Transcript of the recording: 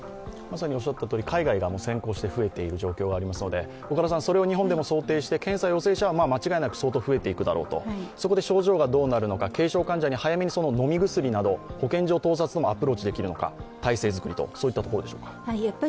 海外が先行して増えている状況がありますのでそれを日本でも想定して、検査陽性者数は間違いなく増えていくだろう、そこで症状がどうなるのか、軽症患者に早めに飲み薬など保健所を通さずにアプローチできるのか、体制づくりと、そういったところでしょうか。